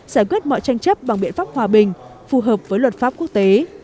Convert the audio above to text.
giải quyết mọi tranh chấp bằng biện pháp hòa bình phù hợp với luật pháp quốc tế